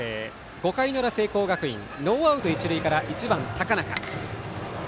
５回の裏、聖光学院ノーアウト一塁から１番、高中。